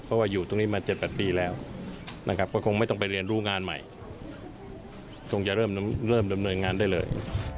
เพราะว่าอยู่ตรงนี้มา๗๘ปีแล้วก็คงไม่ต้องไปเรียนรู้งานใหม่คงจะเริ่มดำเนินงานได้เลย